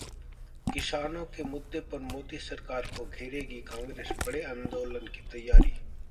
किसानों के मुद्दे पर मोदी सरकार को घेरेगी कांग्रेस, बड़े आंदोलन की तैयारी